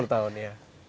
sepuluh tahun ya